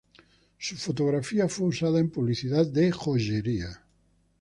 Su fotografía fue usada en publicidad de joyería.